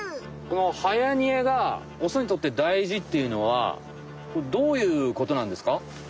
はやにえがオスにとって大事っていうのはどういうことなんですか？